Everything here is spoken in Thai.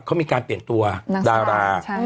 เขามีการเปลี่ยนตัวดารา